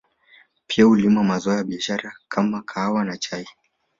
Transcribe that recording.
Pia hulima mazao ya biashara kama kahawa na chai